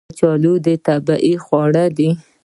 کچالو طبیعي خواړه دي